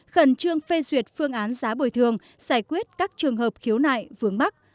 khẩn trương phê duyệt phương án giá bồi thường giải quyết các trường hợp khiếu nại vướng mắt